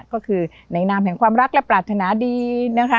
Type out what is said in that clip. ก็คือในนามแห่งความรักและปรารถนาดีนะคะ